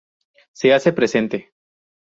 Se hace presente.